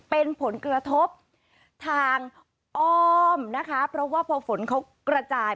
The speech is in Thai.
เป็นผลกระทบทางอ้อมนะคะเพราะว่าพอฝนเขากระจาย